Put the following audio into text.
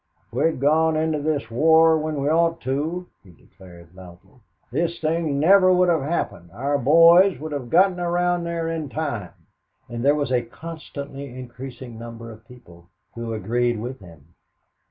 "If we'd gone into this war when we ought to," he declared loudly, "this thing never would have happened. Our boys would have gotten around there in time." And there was a constantly increasing number of people who agreed with him.